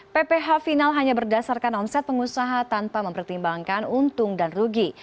pph final hanya berdasarkan omset pengusaha tanpa mempertimbangkan untung dan rugi